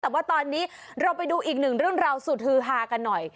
แต่ว่าตอนนี้เราไปดูอีกหนึ่งเรื่องราวสุดฮือฮากันหน่อย